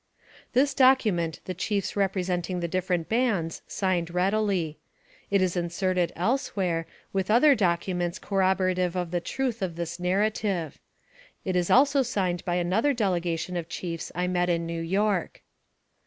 This document the chiefs representing the different bands signed readily. It is inserted elsewhere, with other documents corroborative of the truth of this nar 254 NARRATIVE OF CAPTIVITY rative. It is also signed by another delegation of chiefs I met in New York.